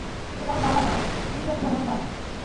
ঐটা আমার বাবা না, এমনিই একটা সাধারণ দানব।